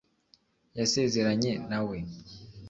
yasezeranye na we